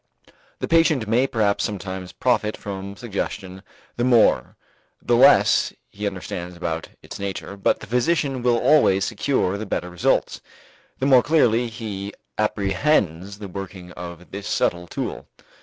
The patient may perhaps sometimes profit from suggestion the more, the less he understands about its nature, but the physician will always secure the better results, the more clearly he apprehends the working of this subtle tool.